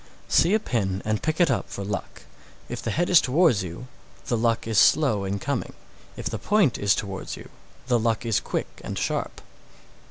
_ 639. See a pin and pick it up for luck. If the head is towards you, the luck is slow in coming; if the point is towards you, the luck is quick and sharp.